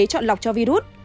chọn lọc cho virus